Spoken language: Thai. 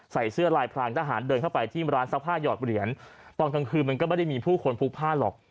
ใส่เสื้อลายพรางทหารเดินเข้าไปที่ร้านซักผ้าหยอดเหรียญตอนกลางคืนมันก็ไม่ได้มีผู้คนพลุกผ้าหรอก